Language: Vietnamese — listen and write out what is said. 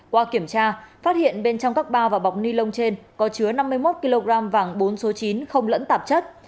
qua kiểm tra phát hiện bên trong các ba và bọc ni lông trên có chứa năm mươi một kg vàng bốn số chín không lẫn tạp chất